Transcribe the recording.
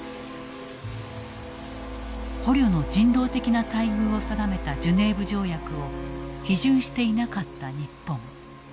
捕虜の人道的な待遇を定めたジュネーブ条約を批准していなかった日本。